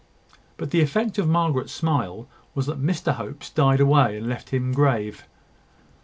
But the effect of Margaret's smile was that Mr Hope's died away, and left him grave.